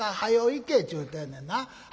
行けっちゅうてんねんな。